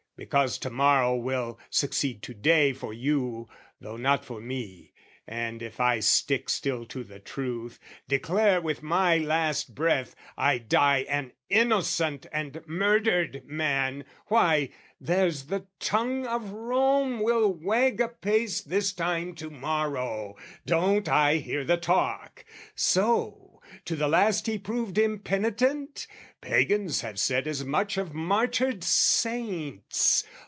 Because to morrow will succeed to day For you, though not for me: and if I stick Still to the truth, declare with my last breath, I die an innocent and murdered man, Why, there's the tongue of Rome will wag a pace This time to morrow, don't I hear the talk! "So, to the last he proved impenitent? "Pagans have said as much of martyred saints!